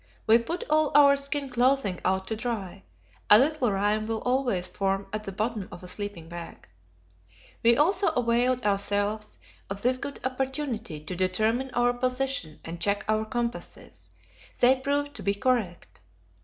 We put all our skin clothing out to dry; a little rime will always form at the bottom of a sleeping bag. We also availed ourselves of this good opportunity to determine our position and check our compasses; they proved to be correct.